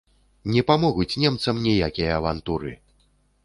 Не памогуць немцам ніякія авантуры!